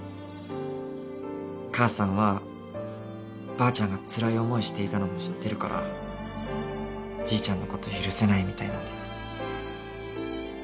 母さんはばあちゃんがつらい思いしていたのを知ってるからじいちゃんのこと許せないみたいなんです。